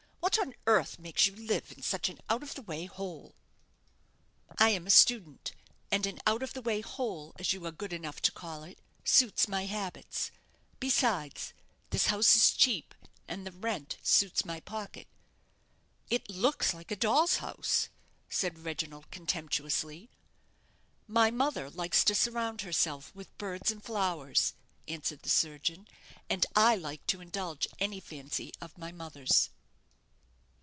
"What on earth makes you live in such an out of the way hole?" "I am a student, and an out of the way hole as you are good enough to call it suits my habits. Besides, this house is cheap, and the rent suits my pocket." "It looks like a doll's house," said Reginald, contemptuously. "My mother likes to surround herself with birds and flowers," answered the surgeon; "and I like to indulge any fancy of my mother's."